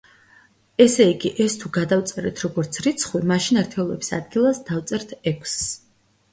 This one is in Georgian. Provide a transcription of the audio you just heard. ესე იგი, ეს თუ გადავწერეთ როგორც რიცხვი, მაშინ ერთეულების ადგილას დავწერთ ექვსს.